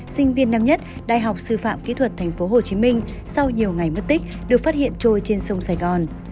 sinh viên năm nhất đại học sư phạm kỹ thuật tp hcm sau nhiều ngày mất tích được phát hiện trôi trên sông sài gòn